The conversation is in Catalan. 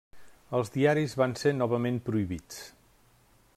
Els diaris van ser novament prohibits.